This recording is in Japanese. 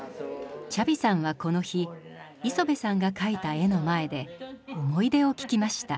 チャビさんはこの日磯部さんが描いた絵の前で思い出を聞きました。